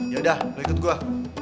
yaudah lo ikut gue